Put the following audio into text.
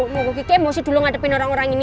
mau ke kike mosi dulu ngadepin orang orang ini